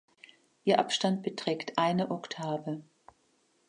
Ihr Abstand beträgt eine Oktave.